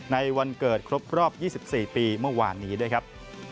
ในวันเกิดครบรอบ๒๔ปีเมื่อวานนี้ด้วยครับ